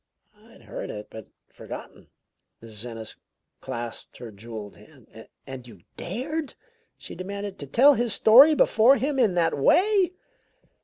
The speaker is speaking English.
"I'd heard it, but forgotten." Mrs. Ennis clasped her jeweled hand. "And you dared," she demanded, "to tell his story before him in that way?"